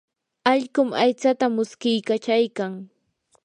allqum aytsata muskiykachaykan.